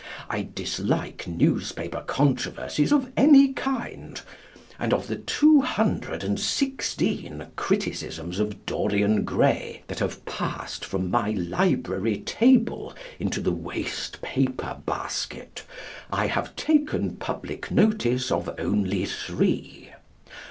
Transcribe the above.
I dislike newspaper controversies of any kind, and of the two hundred and sixteen criticisms of "Dorian Gray," that have passed from my library table into the waste paper basket I have taken public notice of only three.